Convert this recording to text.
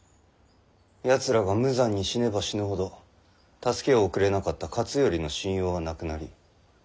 やつらが無残に死ねば死ぬほど助けを送れなかった勝頼の信用はなくなり武田は崩れる。